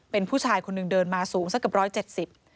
เป็นผู้ชายคนหนึ่งเดินมาสูงสักกับ๑๗๐